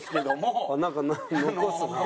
なんか残すなあ。